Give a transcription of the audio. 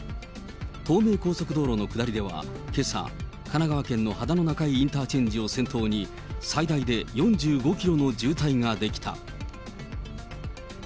東名高速道路の下りでは、けさ、神奈川県の秦野中井インターチェンジ付近を先頭に、最大で４５キロの渋滞が出来た。